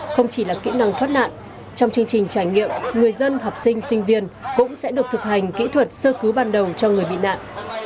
không chỉ là kỹ năng thoát nạn trong chương trình trải nghiệm người dân học sinh sinh viên cũng sẽ được thực hành kỹ thuật sơ cứu ban đầu cho người bị nạn